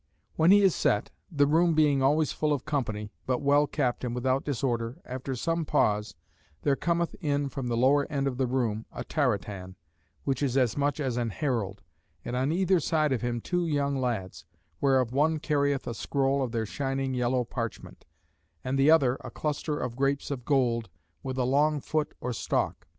When he is set; the room being always full of company, but well kept and without disorder; after some pause, there cometh in from the lower end of the room, a taratan (which is as much as an herald) and on either side of him two young lads; whereof one carrieth a scroll of their shining yellow parchment; and the other a cluster of grapes of gold, with a long foot or stalk.